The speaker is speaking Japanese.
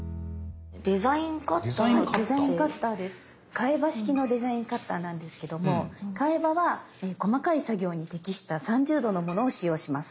替刃式のデザインカッターなんですけども替刃は細かい作業に適した３０°のものを使用します。